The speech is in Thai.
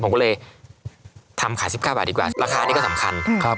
ผมก็เลยทำขาย๑๙บาทดีกว่าราคานี้ก็สำคัญครับ